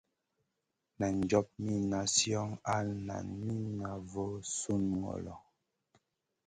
Nan job mi nazion al nan mi na voo sùn ŋolo.